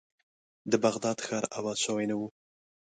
د بغداد ښار آباد شوی نه و.